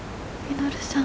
稔さん。